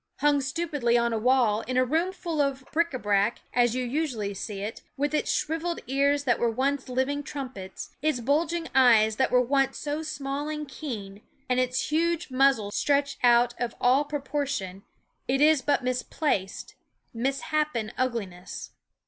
Hung stupidly on a wall, in a room full of bric a brac, as you usually see it, with its shriveled ears that were once living trumpets, its bulging eyes that were once so small and keen, and its huge muzzle stretched out of all proportion, it is but misplaced, misshapen ugliness.